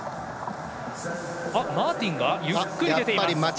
マーティンがゆっくり出ています。